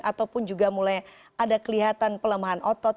ataupun juga mulai ada kelihatan pelemahan otot